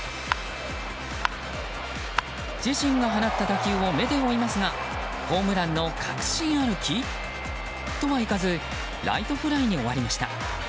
自身が放った打球を目で追いますがホームランの確信歩きとはいかずライトフライに終わりました。